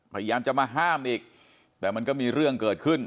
พยายามจะมาห้ามอีกแต่มันก็มีเรื่องเกิดขึ้น